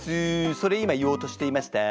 それ今言おうとしていました。